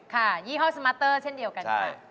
ยี่ห้อสมาเตอร์เช่นเดียวกันค่ะ